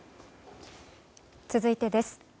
続いてです。